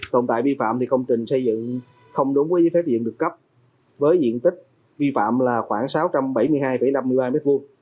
tồn tại vi phạm thì công trình xây dựng không đúng với giới phép diện được cấp với diện tích vi phạm là khoảng sáu trăm bảy mươi hai năm mươi ba m hai